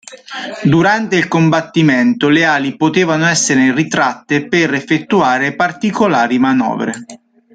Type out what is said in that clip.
Durante il combattimento, le ali potevano essere ritratte per effettuare particolari manovre.